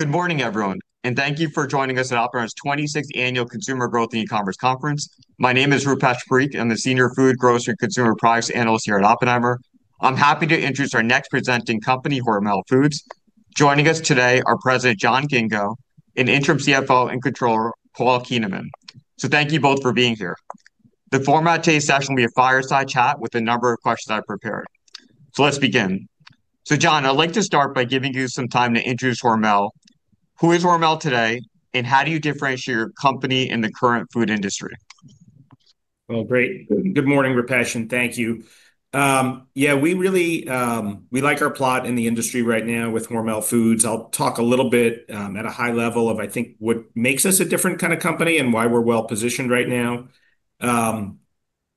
Good morning, everyone, thank you for joining us at Oppenheimer's 26th Annual Consumer Growth & e-commerce Conference. My name is Rupesh Parikh. I'm the Senior Food, Grocery, Consumer Products Analyst here at Oppenheimer. I'm happy to introduce our next presenting company, Hormel Foods. Joining us today are President, John Ghingo, and Interim CFO and Controller, Paul Kuehneman. Thank you both for being here. The format today's session will be a fireside chat with a number of questions I prepared. Let's begin. John, I'd like to start by giving you some time to introduce Hormel. Who is Hormel today, and how do you differentiate your company in the current food industry? Well, great. Good morning, Rupesh, and thank you. Yeah, we like our plot in the industry right now with Hormel Foods. I'll talk a little bit, at a high level of, I think, what makes us a different kind of company and why we're well-positioned right now.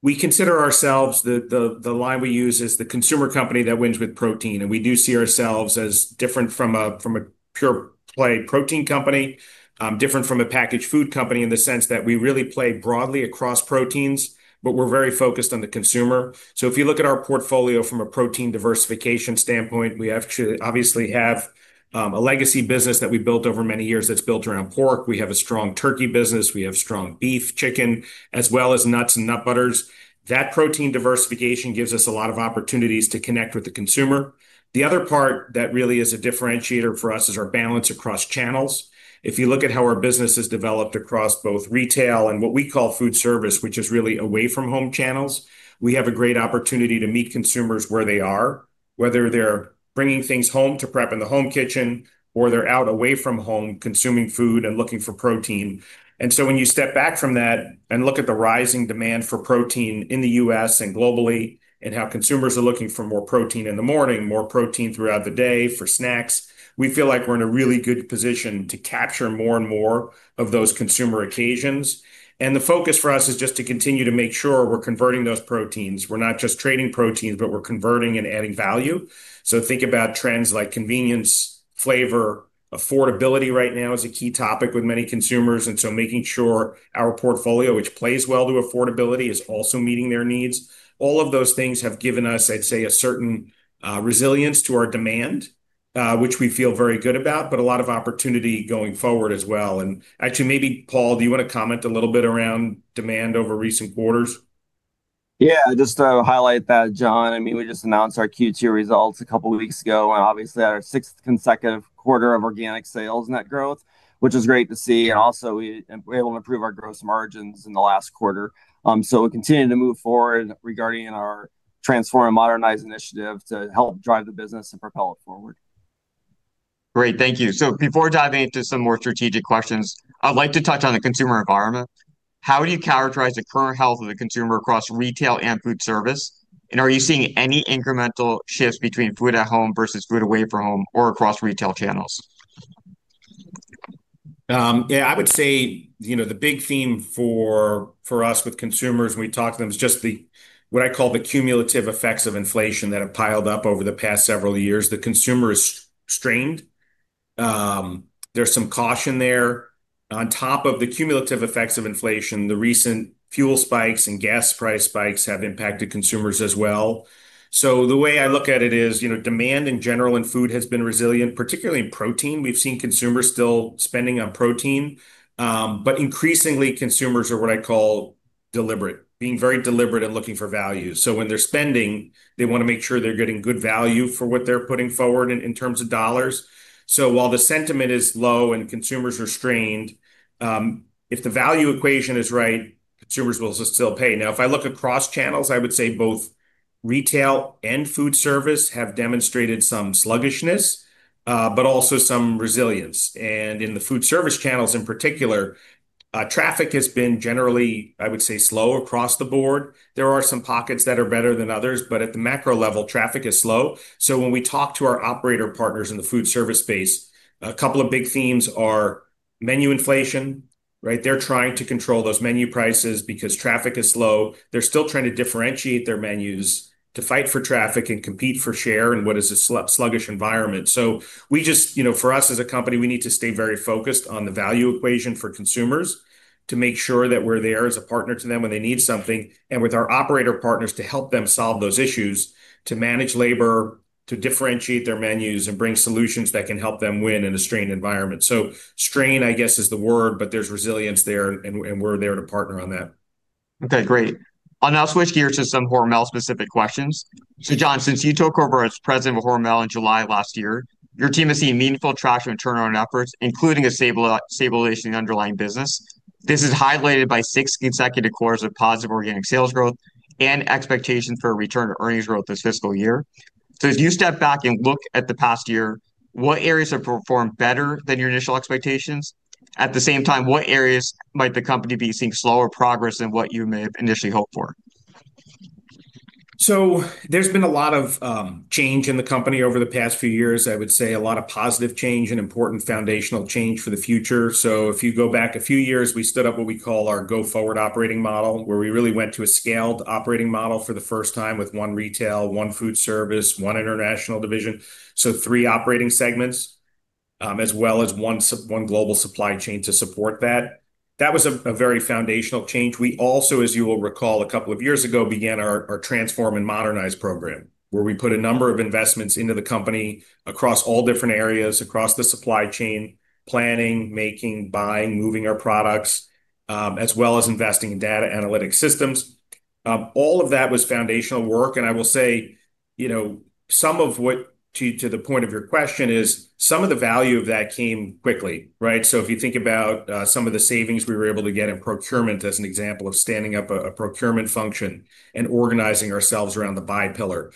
We consider ourselves, the line we use is the consumer company that wins with protein, and we do see ourselves as different from a pure play protein company, different from a packaged food company in the sense that we really play broadly across proteins, but we're very focused on the consumer. If you look at our portfolio from a protein diversification standpoint, we actually obviously have a legacy business that we built over many years that's built around pork. We have a strong turkey business, we have strong beef, chicken, as well as nuts and nut butters. That protein diversification gives us a lot of opportunities to connect with the consumer. The other part that really is a differentiator for us is our balance across channels. If you look at how our business has developed across both retail and what we call food service, which is really away from home channels, we have a great opportunity to meet consumers where they are, whether they're bringing things home to prep in the home kitchen, or they're out away from home consuming food and looking for protein. When you step back from that and look at the rising demand for protein in the U.S. and globally, and how consumers are looking for more protein in the morning, more protein throughout the day for snacks, we feel like we're in a really good position to capture more and more of those consumer occasions. The focus for us is just to continue to make sure we're converting those proteins. We're not just trading proteins, but we're converting and adding value. Think about trends like convenience, flavor. Affordability right now is a key topic with many consumers, and so making sure our portfolio, which plays well to affordability, is also meeting their needs. All of those things have given us, I'd say, a certain resilience to our demand, which we feel very good about, but a lot of opportunity going forward as well. Actually, maybe Paul, do you want to comment a little bit around demand over recent quarters? Yeah. Just to highlight that, John, we just announced our Q2 results a couple of weeks ago. Obviously, our sixth consecutive quarter of organic sales net growth, which is great to see. Also, we were able to improve our gross margins in the last quarter. We're continuing to move forward regarding our Transform and Modernize initiative to help drive the business and propel it forward. Great. Thank you. Before diving into some more strategic questions, I'd like to touch on the consumer environment. How do you characterize the current health of the consumer across retail and food service? Are you seeing any incremental shifts between food at home versus food away from home or across retail channels? Yeah, I would say, the big theme for us with consumers when we talk to them is just what I call the cumulative effects of inflation that have piled up over the past several years. The consumer is strained. There's some caution there. On top of the cumulative effects of inflation, the recent fuel spikes and gas price spikes have impacted consumers as well. The way I look at it is demand in general in food has been resilient, particularly in protein. We've seen consumers still spending on protein. Increasingly, consumers are what I call deliberate, being very deliberate and looking for value. When they're spending, they want to make sure they're getting good value for what they're putting forward in terms of dollars. While the sentiment is low and consumers are strained, if the value equation is right, consumers will still pay. Now, if I look across channels, I would say both retail and food service have demonstrated some sluggishness, but also some resilience. In the food service channels in particular, traffic has been generally, I would say, slow across the board. There are some pockets that are better than others, but at the macro level, traffic is slow. When we talk to our operator partners in the food service space, a couple of big themes are menu inflation. They're trying to control those menu prices because traffic is slow. They're still trying to differentiate their menus to fight for traffic and compete for share in what is a sluggish environment. For us as a company, we need to stay very focused on the value equation for consumers to make sure that we're there as a partner to them when they need something, and with our operator partners to help them solve those issues, to manage labor, to differentiate their menus, and bring solutions that can help them win in a strained environment. Strain, I guess, is the word, but there's resilience there, and we're there to partner on that. Okay, great. I'll now switch gears to some Hormel specific questions. John, since you took over as president of Hormel in July of last year, your team has seen meaningful traction and turnaround efforts, including a stabilization of the underlying business. This is highlighted by six consecutive quarters of positive organic sales growth and expectations for a return to earnings growth this fiscal year. As you step back and look at the past year, what areas have performed better than your initial expectations? At the same time, what areas might the company be seeing slower progress than what you may have initially hoped for? There's been a lot of change in the company over the past few years. I would say a lot of positive change and important foundational change for the future. If you go back a few years, we stood up what we call our go-forward operating model, where we really went to a scaled operating model for the first time with one retail, one food service, one international division. Three operating segments, as well as one global supply chain to support that. That was a very foundational change. We also, as you will recall, a couple of years ago, began our Transform and Modernize program, where we put a number of investments into the company across all different areas, across the supply chain, planning, making, buying, moving our products, as well as investing in data analytic systems. All of that was foundational work. I will say, to the point of your question, is some of the value of that came quickly. If you think about some of the savings we were able to get in procurement as an example of standing up a procurement function and organizing ourselves around the buy pillar.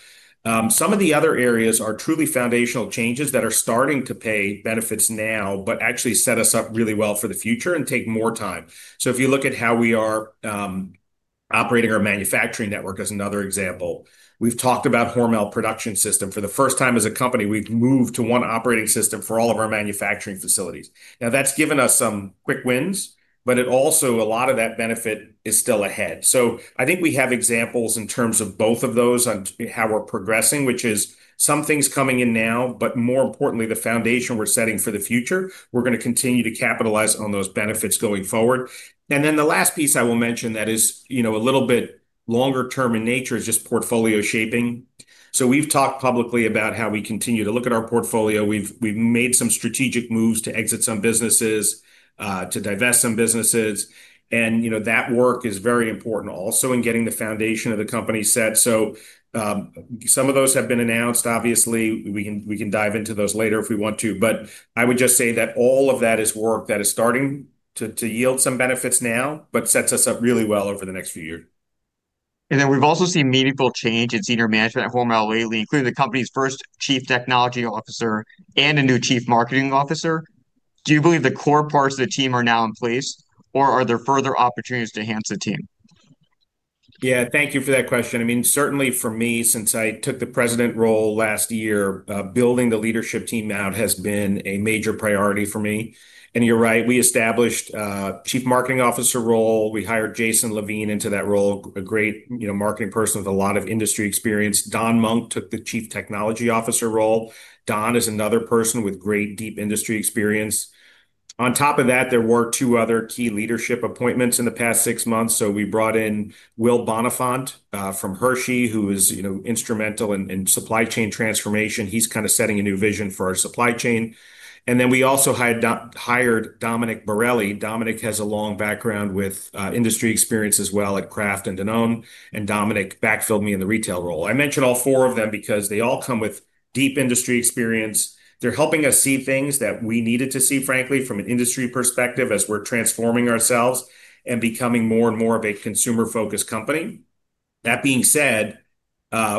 Some of the other areas are truly foundational changes that are starting to pay benefits now but actually set us up really well for the future and take more time. If you look at how we are operating our manufacturing network as another example, we've talked about Hormel Production System. For the first time as a company, we've moved to one operating system for all of our manufacturing facilities. Now, that's given us some quick wins, but also a lot of that benefit is still ahead. I think we have examples in terms of both of those on how we're progressing, which is some things coming in now, but more importantly, the foundation we're setting for the future, we're going to continue to capitalize on those benefits going forward. The last piece I will mention that is a little bit longer term in nature is just portfolio shaping. We've talked publicly about how we continue to look at our portfolio. We've made some strategic moves to exit some businesses, to divest some businesses, and that work is very important also in getting the foundation of the company set. Some of those have been announced. Obviously, we can dive into those later if we want to. I would just say that all of that is work that is starting to yield some benefits now but sets us up really well over the next few years. We've also seen meaningful change in senior management at Hormel lately, including the company's first Chief Technology Officer and a new Chief Marketing Officer. Do you believe the core parts of the team are now in place, or are there further opportunities to enhance the team? Yeah, thank you for that question. Certainly for me, since I took the President role last year, building the leadership team out has been a major priority for me. You're right, we established a Chief Marketing Officer role. We hired Jason Levine into that role, a great marketing person with a lot of industry experience. Don Monk took the Chief Technology Officer role. Don is another person with great, deep industry experience. On top of that, there were two other key leadership appointments in the past six months. We brought in Will Bonifant, from Hershey, who was instrumental in supply chain transformation. He's kind of setting a new vision for our supply chain. We also hired Domenic Borrelli. Domenic has a long background with industry experience as well at Kraft and Danone, and Domenic backfilled me in the retail role. I mention all four of them because they all come with deep industry experience. They're helping us see things that we needed to see, frankly, from an industry perspective, as we're transforming ourselves and becoming more and more of a consumer-focused company. That being said,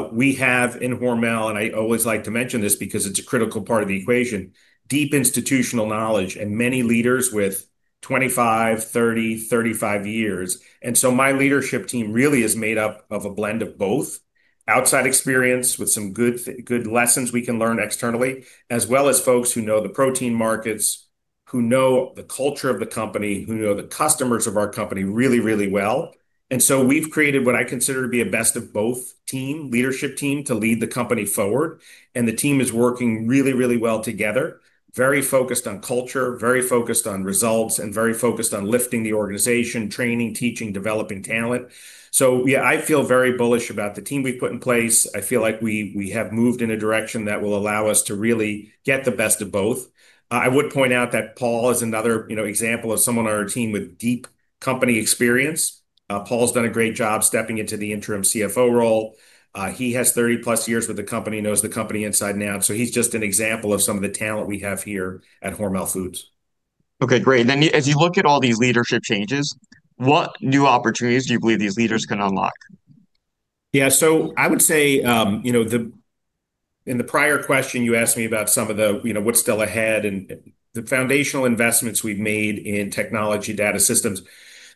we have in Hormel, and I always like to mention this because it's a critical part of the equation, deep institutional knowledge and many leaders with 25, 30, 35 years. My leadership team really is made up of a blend of both outside experience with some good lessons we can learn externally, as well as folks who know the protein markets, who know the culture of the company, who know the customers of our company really, really well. We've created what I consider to be a best of both team, leadership team to lead the company forward, and the team is working really, really well together. Very focused on culture, very focused on results, and very focused on lifting the organization, training, teaching, developing talent. Yeah, I feel very bullish about the team we've put in place. I feel like we have moved in a direction that will allow us to really get the best of both. I would point out that Paul is another example of someone on our team with deep company experience. Paul's done a great job stepping into the Interim CFO role. He has 30+years with the company, knows the company inside and out. He's just an example of some of the talent we have here at Hormel Foods. Okay, great. As you look at all these leadership changes, what new opportunities do you believe these leaders can unlock? I would say, in the prior question, you asked me about what's still ahead and the foundational investments we've made in technology data systems.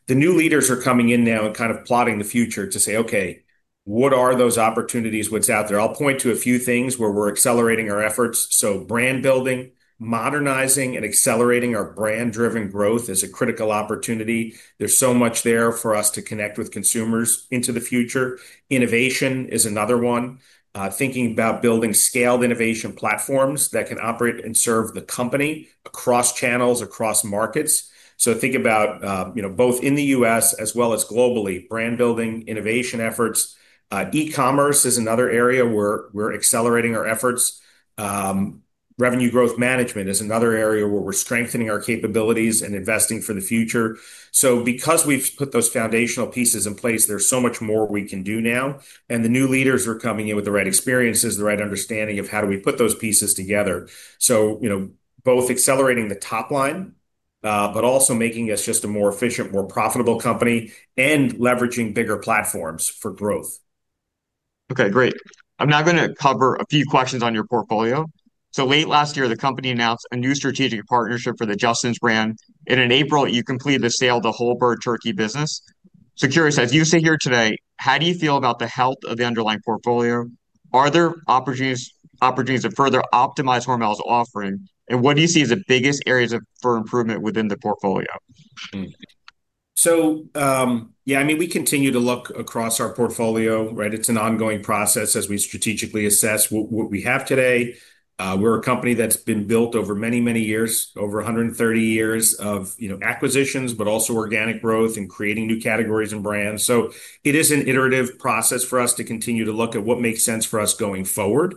The new leaders are coming in now and kind of plotting the future to say, "Okay, what are those opportunities? What's out there?" I'll point to a few things where we're accelerating our efforts. Brand building, modernizing, and accelerating our brand-driven growth is a critical opportunity. There's so much there for us to connect with consumers into the future. Innovation is another one. Thinking about building scaled innovation platforms that can operate and serve the company across channels, across markets. Think about both in the U.S. as well as globally, brand-building innovation efforts. E-commerce is another area where we're accelerating our efforts. Revenue growth management is another area where we're strengthening our capabilities and investing for the future. Because we've put those foundational pieces in place, there's so much more we can do now, the new leaders are coming in with the right experiences, the right understanding of how do we put those pieces together. Both accelerating the top line, also making us just a more efficient, more profitable company and leveraging bigger platforms for growth. Okay, great. I'm now going to cover a few questions on your portfolio. Late last year, the company announced a new strategic partnership for the Justin's brand. In April, you completed the sale of the whole-bird turkey business. Curious, as you sit here today, how do you feel about the health of the underlying portfolio? Are there opportunities to further optimize Hormel's offering, what do you see as the biggest areas for improvement within the portfolio? Yeah, we continue to look across our portfolio, right? It's an ongoing process as we strategically assess what we have today. We're a company that's been built over many, many years, over 130 years of acquisitions, also organic growth and creating new categories and brands. It is an iterative process for us to continue to look at what makes sense for us going forward.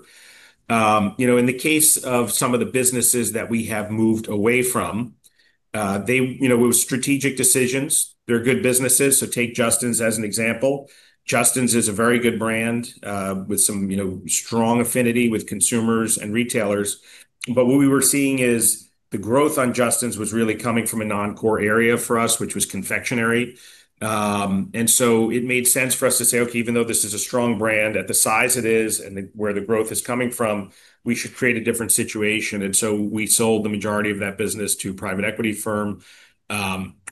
In the case of some of the businesses that we have moved away from, it was strategic decisions. They're good businesses. Take Justin's as an example. Justin's is a very good brand, with some strong affinity with consumers and retailers. What we were seeing is the growth on Justin's was really coming from a non-core area for us, which was confectionery. It made sense for us to say, okay, even though this is a strong brand, at the size it is and where the growth is coming from, we should create a different situation. We sold the majority of that business to a private equity firm,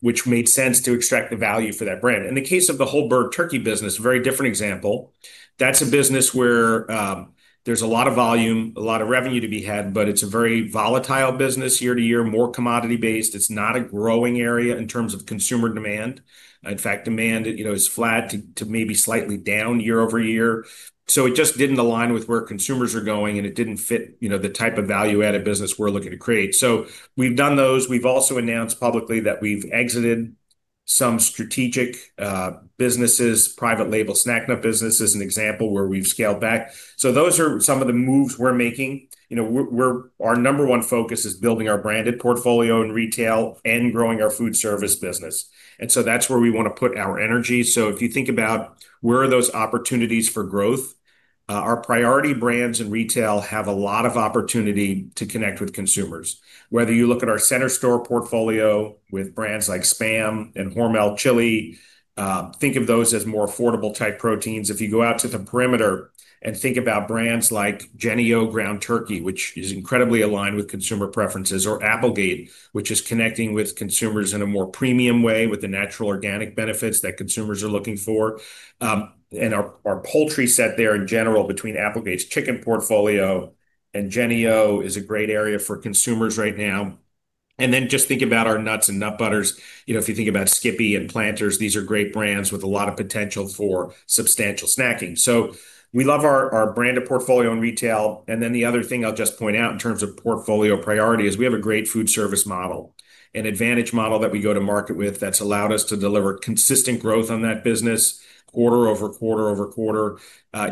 which made sense to extract the value for that brand. In the case of the whole-bird turkey business, a very different example. That's a business where there's a lot of volume, a lot of revenue to be had, it's a very volatile business year-to-year, more commodity-based. It's not a growing area in terms of consumer demand. In fact, demand is flat to maybe slightly down year-over-year. It just didn't align with where consumers are going, it didn't fit the type of value-added business we're looking to create. We've done those. We've also announced publicly that we've exited some strategic businesses, private label snack nut business as an example, where we've scaled back. Those are some of the moves we're making. Our number one focus is building our branded portfolio in retail and growing our foodservice business. That's where we want to put our energy. If you think about where are those opportunities for growth, our priority brands in retail have a lot of opportunity to connect with consumers. Whether you look at our center store portfolio with brands like SPAM and Hormel Chili, think of those as more affordable type proteins. If you go out to the perimeter and think about brands like Jennie-O Ground Turkey, which is incredibly aligned with consumer preferences, or Applegate, which is connecting with consumers in a more premium way with the natural organic benefits that consumers are looking for. Our poultry set there in general between Applegate's chicken portfolio and Jennie-O is a great area for consumers right now. Just think about our nuts and nut butters. If you think about Skippy and Planters, these are great brands with a lot of potential for substantial snacking. We love our branded portfolio in retail. The other thing I'll just point out in terms of portfolio priority is we have a great foodservice model, an advantage model that we go to market with that's allowed us to deliver consistent growth on that business quarter-over-quarter-over-quarter.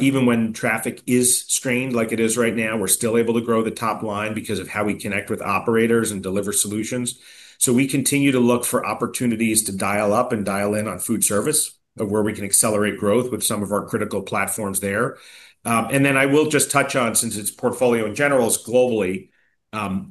Even when traffic is strained like it is right now, we're still able to grow the top line because of how we connect with operators and deliver solutions. We continue to look for opportunities to dial up and dial in on foodservice, of where we can accelerate growth with some of our critical platforms there. I will just touch on, since its portfolio in general is globally,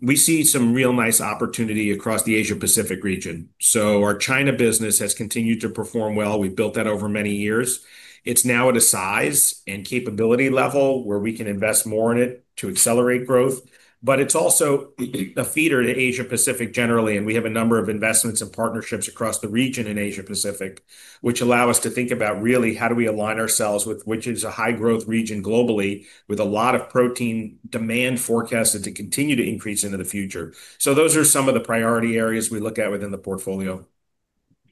we see some real nice opportunity across the Asia-Pacific region. Our China business has continued to perform well. We've built that over many years. It's now at a size and capability level where we can invest more in it to accelerate growth, but it's also a feeder to Asia-Pacific generally, and we have a number of investments and partnerships across the region in Asia-Pacific, which allow us to think about really how do we align ourselves with, which is a high-growth region globally with a lot of protein demand forecasted to continue to increase into the future. Those are some of the priority areas we look at within the portfolio.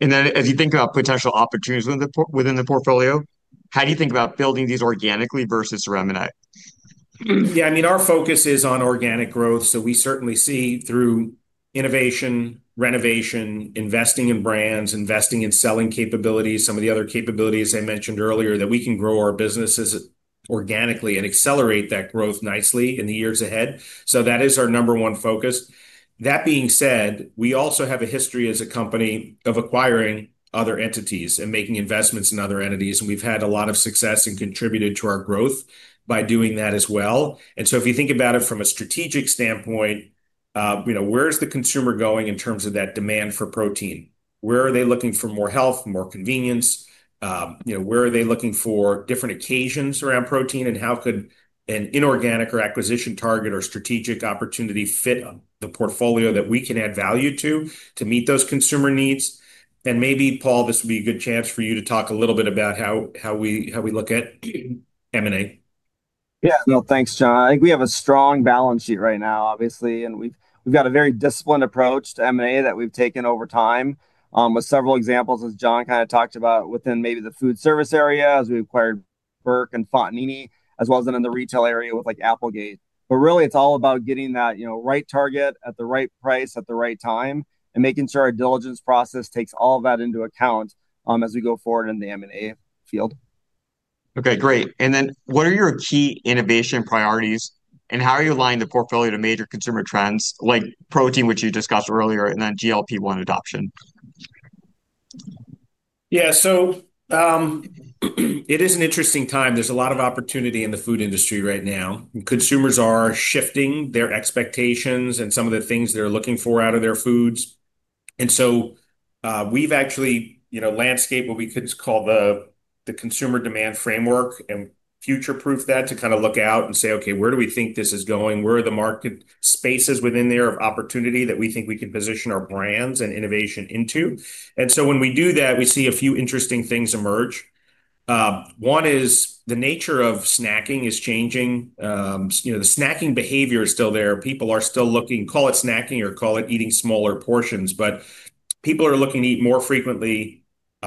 As you think about potential opportunities within the portfolio, how do you think about building these organically versus through M&A? Yeah. Our focus is on organic growth. We certainly see through innovation, renovation, investing in brands, investing in selling capabilities, some of the other capabilities I mentioned earlier, that we can grow our businesses organically and accelerate that growth nicely in the years ahead. That is our number one focus. That being said, we also have a history as a company of acquiring other entities and making investments in other entities, and we've had a lot of success and contributed to our growth by doing that as well. If you think about it from a strategic standpoint, where's the consumer going in terms of that demand for protein? Where are they looking for more health, more convenience? Where are they looking for different occasions around protein, and how could an inorganic or acquisition target or strategic opportunity fit the portfolio that we can add value to meet those consumer needs? Maybe, Paul, this would be a good chance for you to talk a little bit about how we look at M&A. Yeah, no, thanks, John. I think we have a strong balance sheet right now, obviously, we've got a very disciplined approach to M&A that we've taken over time, with several examples, as John kind of talked about, within maybe the food service area as we acquired Burke and Fontanini, as well as in the retail area with Applegate. Really it's all about getting that right target at the right price at the right time and making sure our diligence process takes all of that into account as we go forward in the M&A field. Okay, great. What are your key innovation priorities, and how are you aligning the portfolio to major consumer trends like protein, which you discussed earlier, and GLP-1 adoption? Yeah. It is an interesting time. There's a lot of opportunity in the food industry right now. Consumers are shifting their expectations and some of the things they're looking for out of their foods. We've actually landscaped what we could call the consumer demand framework and future-proofed that to kind of look out and say, okay, where do we think this is going? Where are the market spaces within there of opportunity that we think we can position our brands and innovation into? When we do that, we see a few interesting things emerge. One is the nature of snacking is changing. The snacking behavior is still there. People are still looking, call it snacking or call it eating smaller portions, but people are looking to eat more frequently,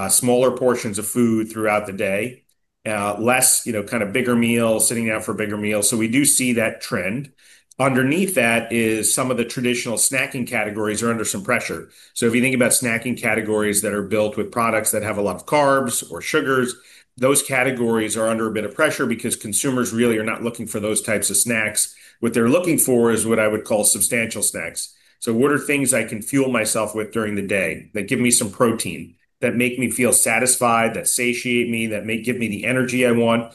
smaller portions of food throughout the day, less bigger meals, sitting down for bigger meals. We do see that trend. Underneath that is some of the traditional snacking categories are under some pressure. If you think about snacking categories that are built with products that have a lot of carbs or sugars, those categories are under a bit of pressure because consumers really are not looking for those types of snacks. What they're looking for is what I would call substantial snacks. What are things I can fuel myself with during the day that give me some protein, that make me feel satisfied, that satiate me, that may give me the energy I want?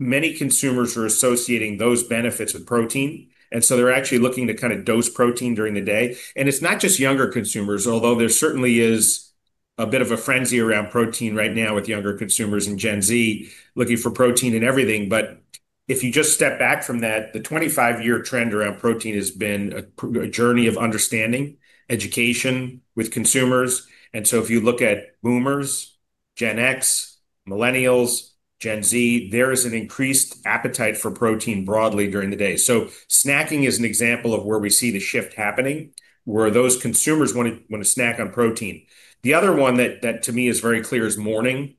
Many consumers are associating those benefits with protein, they're actually looking to dose protein during the day. It's not just younger consumers, although there certainly is a bit of a frenzy around protein right now with younger consumers and Gen Z looking for protein in everything. If you just step back from that, the 25-year trend around protein has been a journey of understanding education with consumers. If you look at boomers, Gen X, millennials, Gen Z, there is an increased appetite for protein broadly during the day. Snacking is an example of where we see the shift happening, where those consumers want to snack on protein. The other one that, to me, is very clear is morning.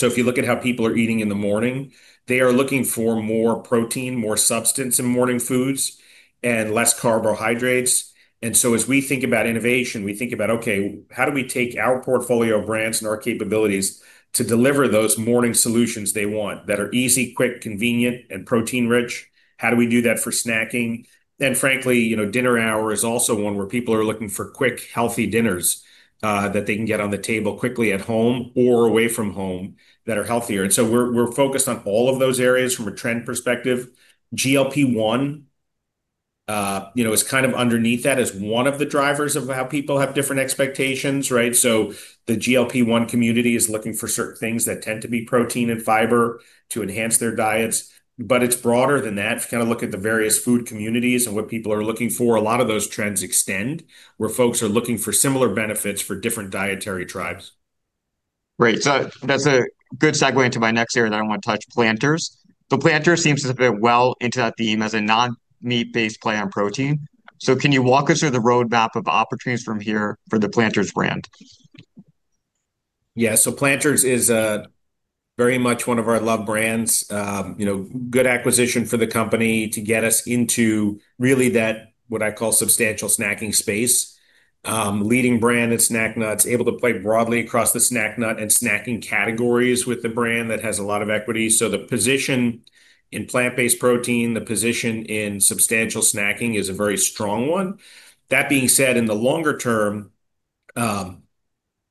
If you look at how people are eating in the morning, they are looking for more protein, more substance in morning foods, and less carbohydrates. As we think about innovation, we think about, okay, how do we take our portfolio of brands and our capabilities to deliver those morning solutions they want that are easy, quick, convenient, and protein-rich? How do we do that for snacking? Frankly, dinner hour is also one where people are looking for quick, healthy dinners that they can get on the table quickly at home or away from home that are healthier. We're focused on all of those areas from a trend perspective. GLP-1 is kind of underneath that as one of the drivers of how people have different expectations, right? The GLP-1 community is looking for certain things that tend to be protein and fiber to enhance their diets. It's broader than that. If you look at the various food communities and what people are looking for, a lot of those trends extend where folks are looking for similar benefits for different dietary tribes. Right. That's a good segue into my next area that I want to touch, Planters. Planters seems to fit well into that theme as a non-meat-based play on protein. Can you walk us through the roadmap of opportunities from here for the Planters brand? Yeah. Planters is very much one of our loved brands. Good acquisition for the company to get us into really that, what I call substantial snacking space, leading brand in snack nuts, able to play broadly across the snack nut and snacking categories with the brand that has a lot of equity. The position in plant-based protein, the position in substantial snacking is a very strong one. That being said, in the longer term,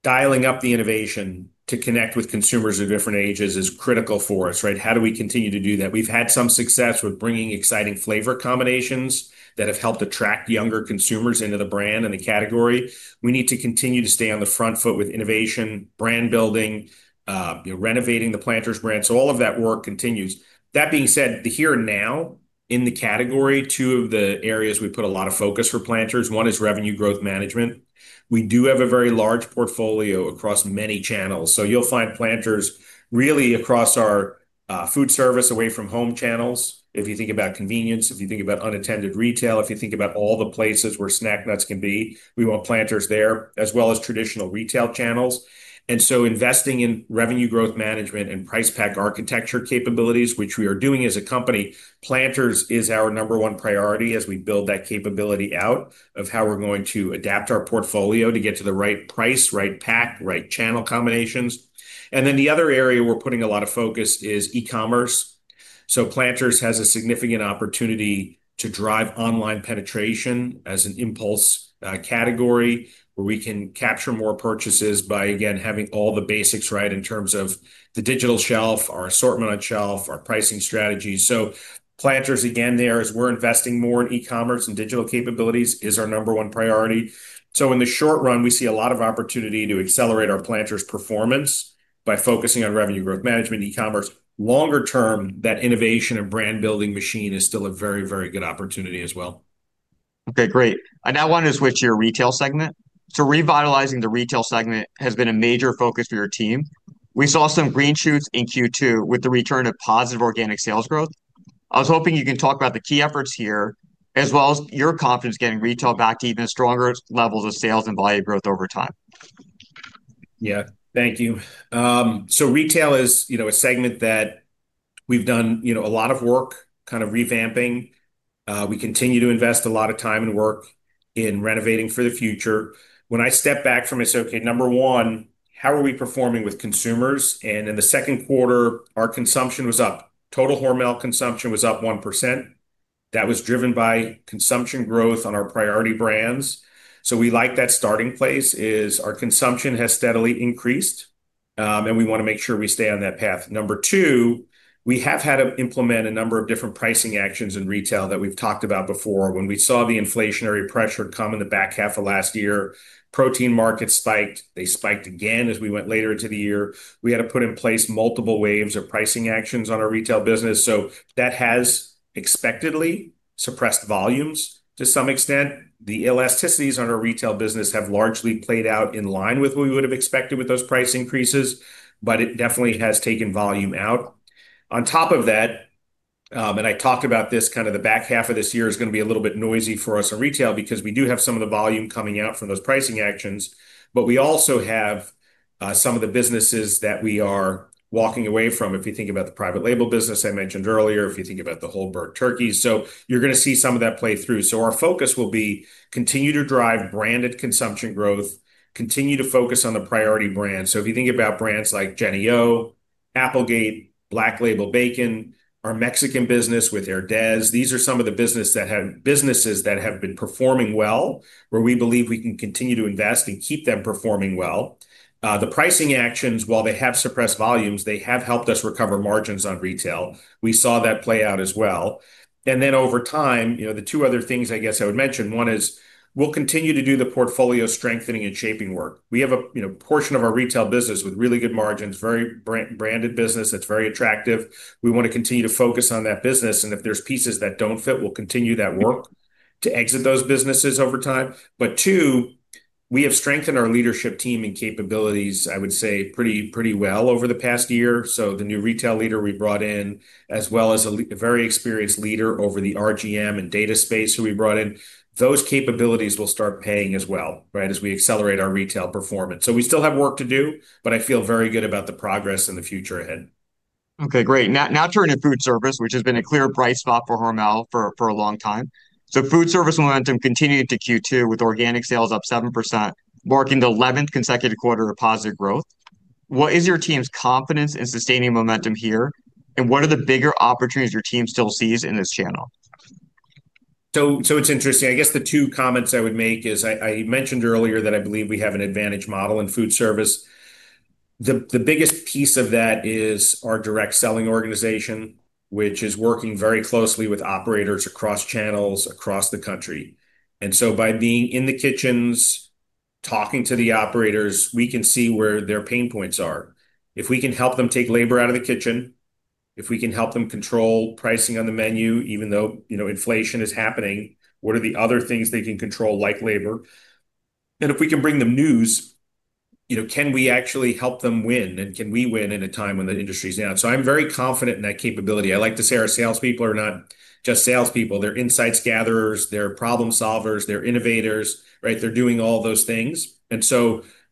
dialing up the innovation to connect with consumers of different ages is critical for us, right? How do we continue to do that? We've had some success with bringing exciting flavor combinations that have helped attract younger consumers into the brand and the category. We need to continue to stay on the front foot with innovation, brand building, renovating the Planters brand. All of that work continues. That being said, the here and now in the category, two of the areas we put a lot of focus for Planters, 1 is revenue growth management. We do have a very large portfolio across many channels. You'll find Planters really across our food service, away from home channels. If you think about convenience, if you think about unattended retail, if you think about all the places where snack nuts can be, we want Planters there, as well as traditional retail channels. Investing in revenue growth management and price pack architecture capabilities, which we are doing as a company, Planters is our number one priority as we build that capability out of how we're going to adapt our portfolio to get to the right price, right pack, right channel combinations. The other area we're putting a lot of focus is e-commerce. Planters has a significant opportunity to drive online penetration as an impulse category where we can capture more purchases by, again, having all the basics right in terms of the digital shelf, our assortment on shelf, our pricing strategies. Planters, again, there, as we're investing more in e-commerce and digital capabilities, is our number 1 priority. In the short run, we see a lot of opportunity to accelerate our Planters performance by focusing on revenue growth management and e-commerce. Longer term, that innovation and brand-building machine is still a very good opportunity as well. Okay, great. I now want to switch to your retail segment. Revitalizing the retail segment has been a major focus for your team. We saw some green shoots in Q2 with the return of positive organic sales growth. I was hoping you can talk about the key efforts here, as well as your confidence getting retail back to even stronger levels of sales and value growth over time. Yeah. Thank you. Retail is a segment that we've done a lot of work revamping. We continue to invest a lot of time and work in renovating for the future. When I step back from it, I say, okay, number one, how are we performing with consumers? In the 2nd quarter, our consumption was up. Total Hormel consumption was up 1%. That was driven by consumption growth on our priority brands. We like that starting place, is our consumption has steadily increased, and we want to make sure we stay on that path. Number two, we have had to implement a number of different pricing actions in retail that we've talked about before. When we saw the inflationary pressure come in the back half of last year, protein markets spiked. They spiked again as we went later into the year. We had to put in place multiple waves of pricing actions on our retail business. That has expectedly suppressed volumes to some extent. The elasticities on our retail business have largely played out in line with what we would have expected with those price increases, but it definitely has taken volume out. On top of that, I talked about this, kind of the back half of this year is going to be a little bit noisy for us in retail because we do have some of the volume coming out from those pricing actions, but we also have some of the businesses that we are walking away from. If you think about the private label business I mentioned earlier, if you think about the whole-bird turkeys, you're going to see some of that play through. Our focus will be continue to drive branded consumption growth, continue to focus on the priority brands. If you think about brands like Jennie-O, Applegate, Black Label Bacon, our Mexican business with Herdez, these are some of the businesses that have been performing well, where we believe we can continue to invest and keep them performing well. The pricing actions, while they have suppressed volumes, they have helped us recover margins on retail. We saw that play out as well. Over time, the two other things I guess I would mention, one is we'll continue to do the portfolio strengthening and shaping work. We have a portion of our retail business with really good margins, very branded business that's very attractive. We want to continue to focus on that business, and if there's pieces that don't fit, we'll continue that work to exit those businesses over time. Two, we have strengthened our leadership team and capabilities, I would say, pretty well over the past year. The new retail leader we brought in, as well as a very experienced leader over the RGM and data space who we brought in, those capabilities will start paying as well, right, as we accelerate our retail performance. We still have work to do, but I feel very good about the progress and the future ahead. Okay, great. Now turning to food service, which has been a clear bright spot for Hormel for a long time. Food service momentum continued to Q2 with organic sales up 7%, marking the 11th consecutive quarter of positive growth. What is your team's confidence in sustaining momentum here, and what are the bigger opportunities your team still sees in this channel? It's interesting. I guess the two comments I would make is, I mentioned earlier that I believe we have an advantage model in food service. The biggest piece of that is our direct selling organization, which is working very closely with operators across channels across the country. By being in the kitchens, talking to the operators, we can see where their pain points are. If we can help them take labor out of the kitchen, if we can help them control pricing on the menu, even though inflation is happening, what are the other things they can control, like labor? If we can bring them news, can we actually help them win, and can we win in a time when the industry's down? I'm very confident in that capability. I like to say our salespeople are not just salespeople. They're insights gatherers, they're problem-solvers, they're innovators, right? They're doing all those things.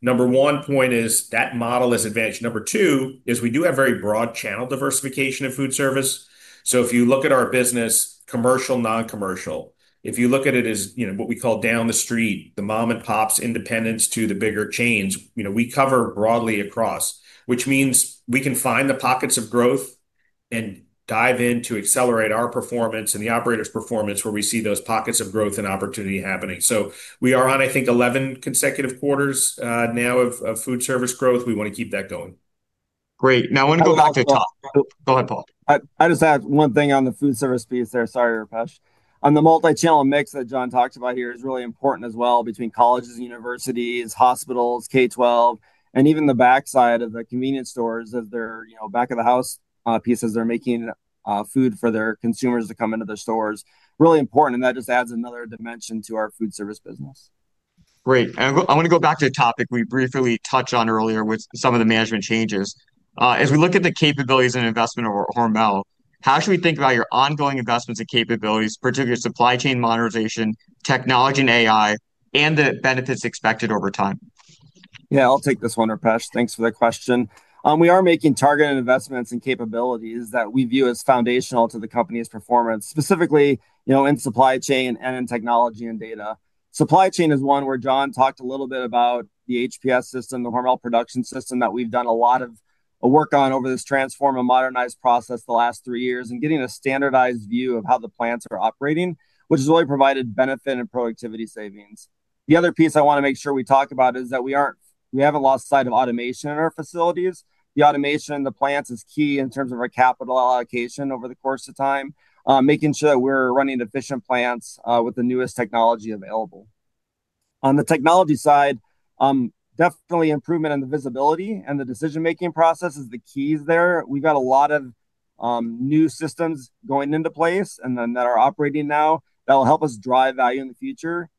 Number one point is that model is advantage. Number two is we do have very broad channel diversification in food service. If you look at our business, commercial, non-commercial, if you look at it as what we call down the street, the mom and pops, independents to the bigger chains, we cover broadly across. Which means we can find the pockets of growth and dive in to accelerate our performance and the operator's performance where we see those pockets of growth and opportunity happening. We are on, I think, 11 consecutive quarters now of food service growth. We want to keep that going. Great. Now I want to go back to a topic. Go ahead, Paul. I just have one thing on the food service piece there. Sorry, Rupesh. On the multi-channel mix that John talked about here is really important as well between colleges and universities, hospitals, K12, and even the backside of the convenience stores, of their back of the house pieces. They're making food for their consumers to come into their stores. Really important, that just adds another dimension to our food service business. Great. I want to go back to a topic we briefly touched on earlier with some of the management changes. As we look at the capabilities and investment of Hormel, how should we think about your ongoing investments and capabilities, particularly supply chain modernization, technology and AI, and the benefits expected over time? Yeah, I'll take this one, Rupesh. Thanks for that question. We are making targeted investments and capabilities that we view as foundational to the company's performance, specifically in supply chain and in technology and data. Supply chain is one where John talked a little bit about the HPS system, the Hormel Production System, that we've done a lot of work on over this Transform and Modernize process the last three years, getting a standardized view of how the plants are operating, which has really provided benefit and productivity savings. The other piece I want to make sure we talk about is that we haven't lost sight of automation in our facilities. The automation in the plants is key in terms of our capital allocation over the course of time, making sure that we're running efficient plants with the newest technology available. On the technology side, definitely improvement in the visibility and the decision-making process is the keys there. We've got a lot of new systems going into place that are operating now that'll help us drive value in the future.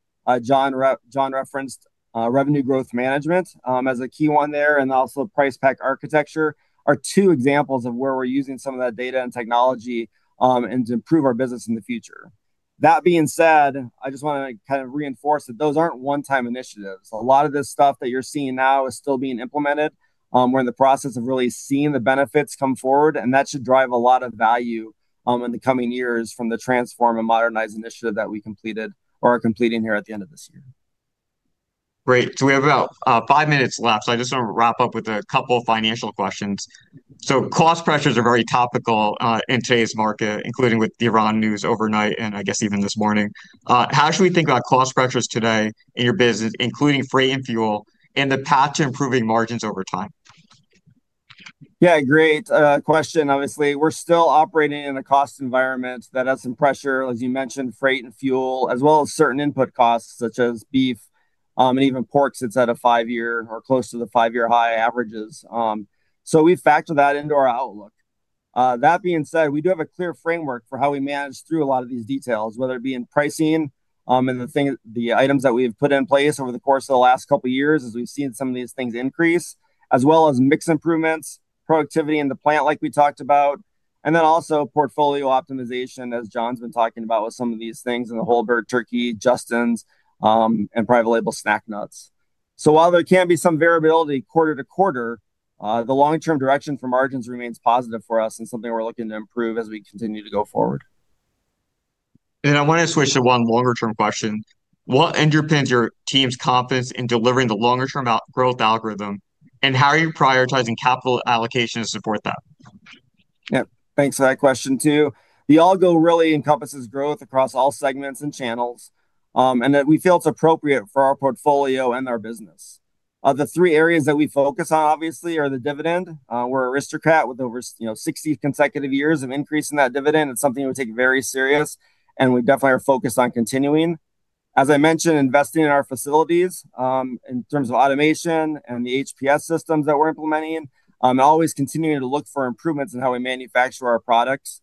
John referenced revenue growth management as a key one there, also price pack architecture are two examples of where we're using some of that data and technology to improve our business in the future. That being said, I just want to kind of reinforce that those aren't one-time initiatives. A lot of this stuff that you're seeing now is still being implemented. We're in the process of really seeing the benefits come forward, and that should drive a lot of value in the coming years from the Transform and Modernize initiative that we completed or are completing here at the end of this year. Great. We have about five minutes left, so I just want to wrap up with a couple financial questions. Cost pressures are very topical in today's market, including with the Iran news overnight and I guess even this morning. How should we think about cost pressures today in your business, including freight and fuel, and the path to improving margins over time? Yeah, great question. Obviously, we're still operating in a cost environment that has some pressure, as you mentioned, freight and fuel, as well as certain input costs, such as beef, and even pork sits at a five-year or close to the five-year high averages. We factor that into our outlook. That being said, we do have a clear framework for how we manage through a lot of these details, whether it be in pricing and the items that we've put in place over the course of the last couple of years as we've seen some of these things increase, as well as mix improvements, productivity in the plant like we talked about, and then also portfolio optimization, as John's been talking about with some of these things in the whole-bird turkey, Justin's, and private label snack nuts. While there can be some variability quarter to quarter, the long-term direction for margins remains positive for us and something we're looking to improve as we continue to go forward. I want to switch to one longer-term question. What underpins your team's confidence in delivering the longer-term growth algorithm, and how are you prioritizing capital allocation to support that? Yeah, thanks for that question, too. The algo really encompasses growth across all segments and channels, and that we feel it's appropriate for our portfolio and our business. The three areas that we focus on obviously, are the dividend. We're an aristocrat with over 60 consecutive years of increasing that dividend. It's something we take very serious, and we definitely are focused on continuing. As I mentioned, investing in our facilities, in terms of automation and the HPS systems that we're implementing. Always continuing to look for improvements in how we manufacture our products.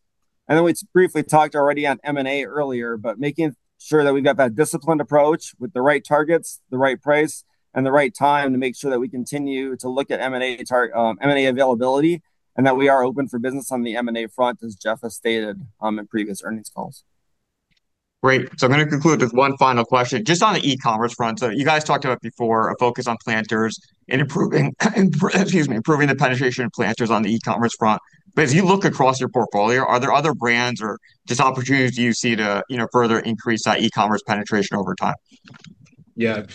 We just briefly talked already on M&A earlier, making sure that we've got that disciplined approach with the right targets, the right price, and the right time to make sure that we continue to look at M&A availability and that we are open for business on the M&A front, as Jeff has stated in previous earnings calls. Great. I'm going to conclude with one final question. Just on the e-commerce front, you guys talked about before a focus on Planters and improving the penetration of Planters on the e-commerce front. As you look across your portfolio, are there other brands or just opportunities you see to further increase that e-commerce penetration over time? Yeah.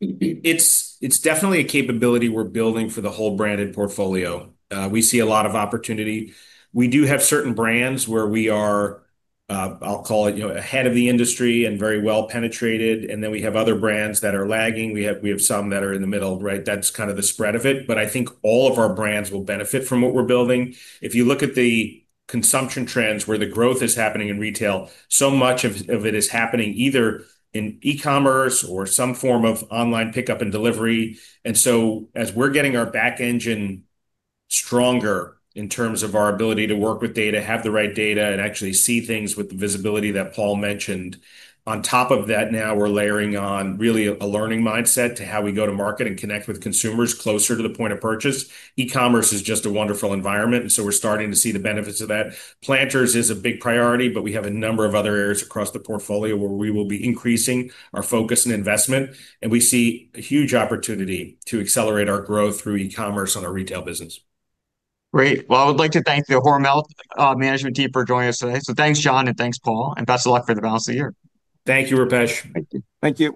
It's definitely a capability we're building for the whole branded portfolio. We see a lot of opportunity. We do have certain brands where we are, I'll call it, ahead of the industry and very well penetrated, and then we have other brands that are lagging. We have some that are in the middle, right? That's kind of the spread of it. I think all of our brands will benefit from what we're building. If you look at the consumption trends where the growth is happening in retail, so much of it is happening either in e-commerce or some form of online pickup and delivery. As we're getting our back engine stronger in terms of our ability to work with data, have the right data, and actually see things with the visibility that Paul mentioned, on top of that now we're layering on really a learning mindset to how we go to market and connect with consumers closer to the point of purchase. e-commerce is just a wonderful environment, we're starting to see the benefits of that. Planters is a big priority, we have a number of other areas across the portfolio where we will be increasing our focus and investment, we see a huge opportunity to accelerate our growth through e-commerce on our retail business. Well, I would like to thank the Hormel management team for joining us today. Thanks, John, and thanks, Paul, and best of luck for the balance of the year. Thank you, Rupesh. Thank you.